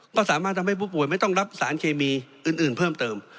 ก็สามารถทำให้ผู้ป่วยไม่ต้องรับสารเคมีอื่นเพิ่มเติม